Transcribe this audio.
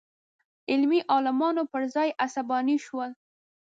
علمي عالمان پر ځای عصباني شول.